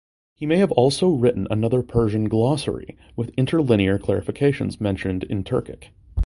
He may have also written another Persian glossary with interlinear clarifications mentioned in Turkic.